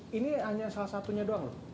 ini hanya salah satunya doang loh